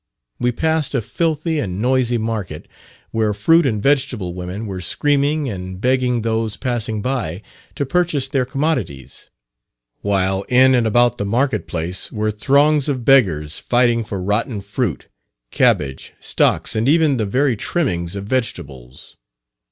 We passed a filthy and noisy market, where fruit and vegetable women were screaming and begging those passing by to purchase their commodities; while in and about the market place were throngs of beggars fighting for rotten fruit, cabbage stocks, and even the very trimmings of vegetables.